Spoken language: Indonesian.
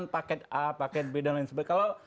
paket a paket b dan lain sebagainya